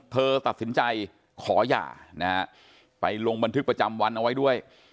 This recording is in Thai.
เธอตัดสินใจขอหย่านะฮะไปลงบันทึกประจำวันเอาไว้ด้วย